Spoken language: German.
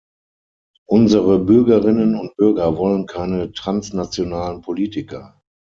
Unsere Bürgerinnen und Bürger wollen keine transnationalen Politiker.